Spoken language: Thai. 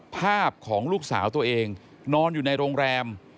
ภาพของลูกสาวตัวเองนอนอยู่ในโรงแรม